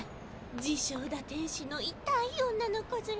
自称堕天使の痛い女の子ずら。